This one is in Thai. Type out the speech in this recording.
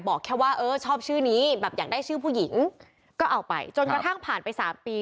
บอกแค่ว่าเออชอบชื่อนี้แบบอยากได้ชื่อผู้หญิงก็เอาไปจนกระทั่งผ่านไป๓ปี